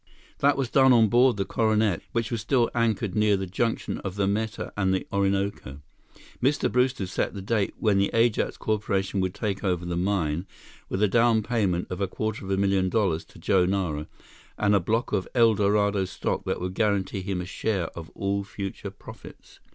That was done on board the Coronet, which was still anchored near the junction of the Meta and the Orinoco. Mr. Brewster set the date when the Ajax Corporation would take over the mine with a down payment of a quarter of a million dollars to Joe Nara and a block of El Dorado stock that would guarantee him a share of all future profits.